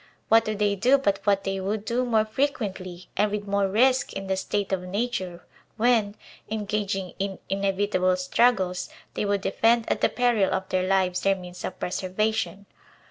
What do they do but what they would do more frequently and with more risk in the state of nature, when, engaging in inevitable struggles, they would defend at the peril of their lives their means of preser vation?